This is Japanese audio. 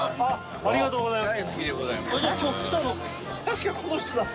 ありがとうございます。